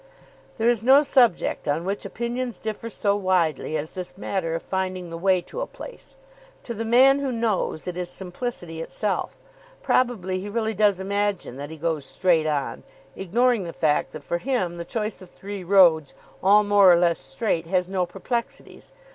There is no subject on which opinions differ so widely as this matter of finding the way to a place. To the man who knows, it is simplicity itself. Probably he really does imagine that he goes straight on, ignoring the fact that for him the choice of three roads, all more or less straight, has no perplexities.